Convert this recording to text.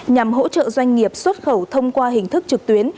nhằm hỗ trợ doanh nghiệp xuất khẩu thông qua hình thức trực tuyến